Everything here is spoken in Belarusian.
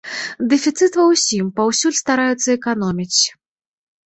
Дэфіцыт ва ўсім, паўсюль стараюцца эканоміць.